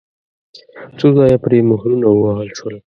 څو ځایه پرې مهرونه ووهل شول.